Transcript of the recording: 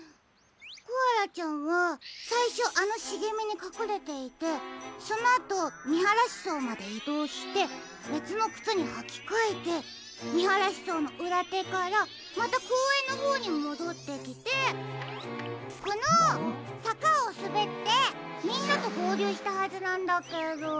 コアラちゃんはさいしょあのしげみにかくれていてそのあとみはらしそうまでいどうしてべつのくつにはきかえてみはらしそうのうらてからまたこうえんのほうにもどってきてこのさかをすべってみんなとごうりゅうしたはずなんだけど。